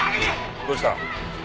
どうした？